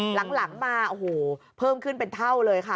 หลังมาโอ้โหเพิ่มขึ้นเป็นเท่าเลยค่ะ